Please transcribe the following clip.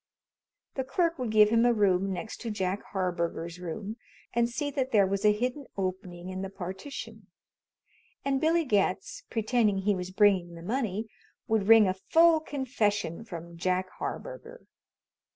The clerk would give him a room next to Jack Harburger's room, and see that there was a hidden opening in the partition; and Billy Getz, pretending he was bringing the money, would wring a full confession from Jack Harburger.